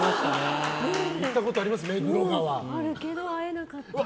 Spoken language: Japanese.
あるけど会えなかったな。